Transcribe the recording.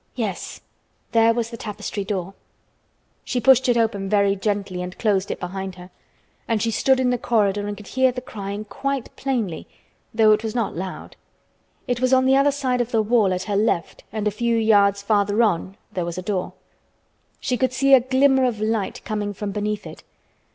Yes, there was the tapestry door. She pushed it open very gently and closed it behind her, and she stood in the corridor and could hear the crying quite plainly, though it was not loud. It was on the other side of the wall at her left and a few yards farther on there was a door. She could see a glimmer of light coming from beneath it.